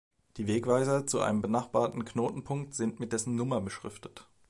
Die Wegweiser zu einem benachbarten Knotenpunkt sind mit dessen Nummer beschriftet.